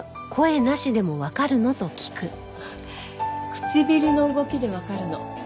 唇の動きでわかるの。